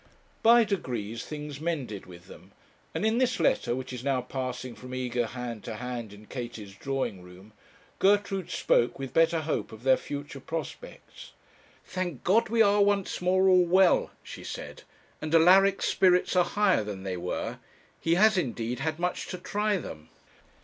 By degrees things mended with them; and in this letter, which is now passing from eager hand to hand in Katie's drawing room, Gertrude spoke with better hope of their future prospects. 'Thank God, we are once more all well,' she said; 'and Alaric's spirits are higher than they were. He has, indeed, had much to try them.